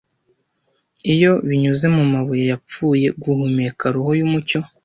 Iyo, binyuze mumabuye yapfuye guhumeka roho yumucyo,